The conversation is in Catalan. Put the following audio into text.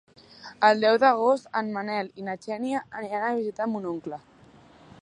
El deu d'agost en Manel i na Xènia aniran a visitar mon oncle.